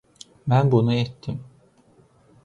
Mən bunu etdim.